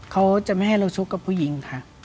เขาจะไม่ให้เราชกกับผู้หญิงค่ะ